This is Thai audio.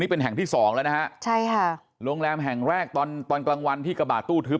เป็นแห่งที่สองแล้วนะฮะใช่ค่ะโรงแรมแห่งแรกตอนตอนกลางวันที่กระบาดตู้ทึบ